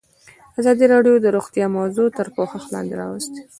ازادي راډیو د روغتیا موضوع تر پوښښ لاندې راوستې.